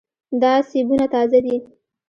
دا سیبونه تازه دي.